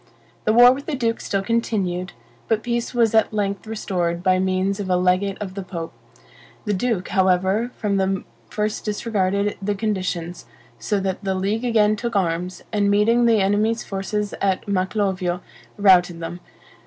The war with the duke still continued; but peace was at length restored by means of a legate of the pope. The duke, however, from the first disregarded the conditions, so that the league again took arms, and meeting the enemy's forces at Maclovio routed them.